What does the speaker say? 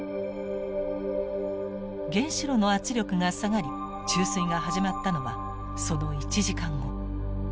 原子炉の圧力が下がり注水が始まったのはその１時間後。